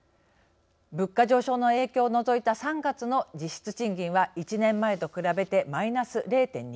物価上昇の影響を除いた３月の実質賃金は１年前と比べてマイナス０．２％。